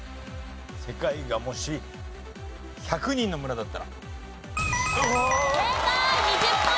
『世界がもし１００人の村だったら』。正解！